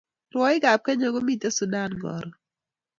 Rwaik ab kenya komiten sudan karon